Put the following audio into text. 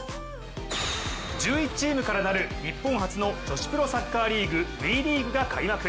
１１チームから日本初の女子プロサッカーリーグＷＥリーグが開幕。